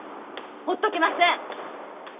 ほっとけません！